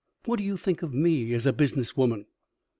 What do you think of me as a business woman?"